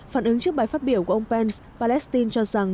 phản ứng trước bài phát biểu của ông pence palestine cho rằng